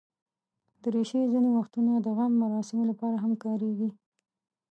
دریشي ځینې وختونه د غم مراسمو لپاره هم کارېږي.